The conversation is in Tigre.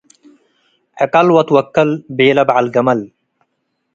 “ዕቀል ወትወከል” ቤለ በዐል ገመል።